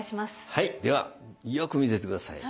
はいではよく見ててください。